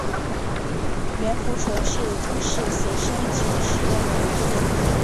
阮福淳是尊室协生前使用的名字。